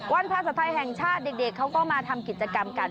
ภาษาไทยแห่งชาติเด็กเขาก็มาทำกิจกรรมกัน